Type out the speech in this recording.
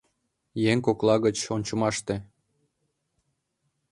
Еҥ кокла гыч ончымаште